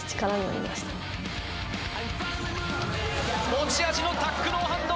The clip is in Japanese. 持ち味のタックノーハンド